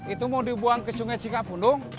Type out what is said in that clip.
itu mau dibuang ke sungai cikapundung